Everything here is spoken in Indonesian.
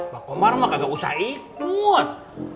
pak komar mah kagak usah ikut